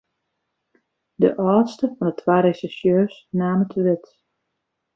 De âldste fan de twa resjersjeurs naam it wurd.